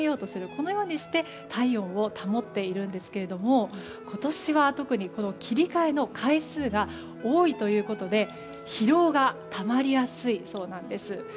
このようにして体温を保っているんですけれども今年は、特にこの切り替えの回数が多いということで、疲労がたまりやすいそうなんです。